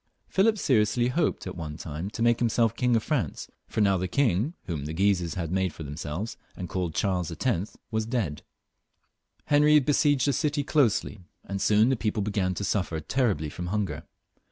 Philip seriously hoped at one time to make himself King of France, for now the king whom the Guises had made for themselves, and called Charles X., was dead. XL.] HENRY IV, 303 Henry begieged the city closely, and soon the people began to sufifer terribly from hunger.